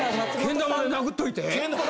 けん玉で殴っといて。